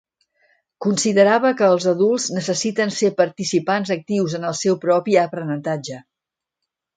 Considerava que els adults necessiten ser participants actius en el seu propi aprenentatge.